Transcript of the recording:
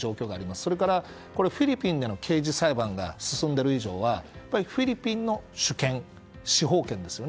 それから、フィリピンでの刑事裁判が進んでいる以上はフィリピンの主権司法権ですよね。